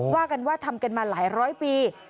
ว่ากันว่าทำกันมาหลายร้อยปี